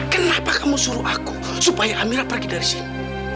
kenapa kamu suruh aku supaya amira pergi dari sini